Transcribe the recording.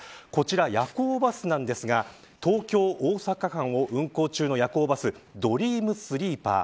こちら夜行バスなんですが東京、大阪間を運行中の夜行バスドリームスリーパー。